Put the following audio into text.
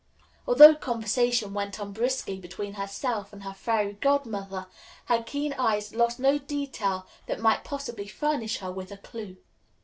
Although conversation went on briskly between herself and her Fairy Godmother, her keen eyes lost no detail that might possibly furnish her with a clue.